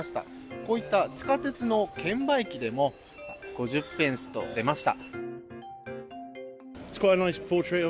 こういった地下鉄の券売機でも５０ペンスと出ました。